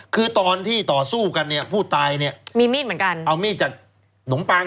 คือตอนที่ต่อสู้กันเนี่ยผู้ตายเนี่ยมีมีดเหมือนกันเอามีดจากหนมปัง